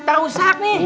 tak usah nih